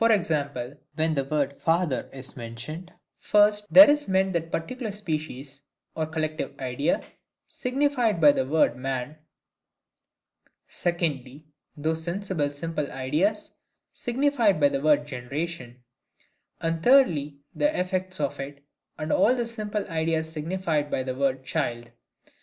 when the word father is mentioned: first, there is meant that particular species, or collective idea, signified by the word man; secondly, those sensible simple ideas, signified by the word generation; and, thirdly, the effects of it, and all the simple ideas signified by the word child.